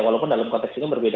walaupun dalam konteks ini berbeda